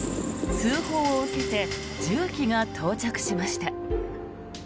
通報を受けて重機が到着しました。